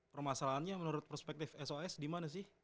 permasalahannya menurut perspektif sos dimana sih